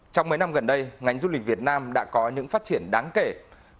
trong mấy năm gần đây ngành du lịch việt nam đã có những phát triển thương mại mậu dịch khu vực biên giới